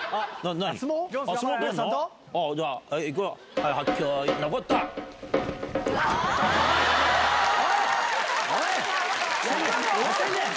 何してんねん！